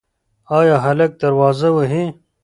ایا هلک دروازه وهي؟